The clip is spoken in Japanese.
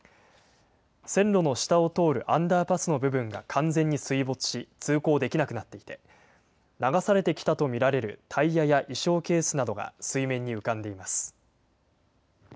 線路の下を通るアンダーパスの部分が完全に水没し通行できなくなっていて流されてきたと見られるタイヤや衣装ケースなどが水面に浮かんでいます。